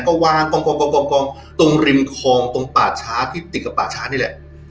ก็วางกองตรงริมคลองตรงป่าช้าที่ติดกับป่าช้านี่แหละ